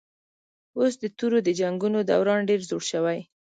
اوس د تورو د جنګونو دوران ډېر زوړ شوی